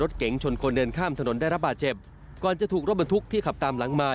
เก๋งชนคนเดินข้ามถนนได้รับบาดเจ็บก่อนจะถูกรถบรรทุกที่ขับตามหลังมา